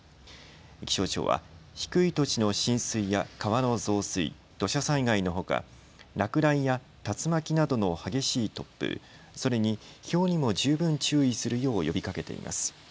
気象庁は低い土地の浸水や川の増水、土砂災害のほか落雷や竜巻などの激しい突風、それにひょうにも十分注意するよう呼びかけています。